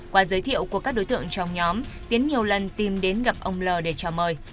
qua giới thiệu của các đối tượng trong nhóm tiến nhiều lần tìm đến gặp ông l để chào mời